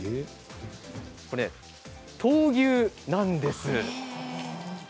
これは闘牛なんです。